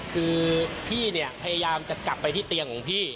คือพี่เนี่ยพยายามจะกลับไปที่เตียงของพี่